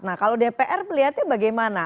nah kalau dpr melihatnya bagaimana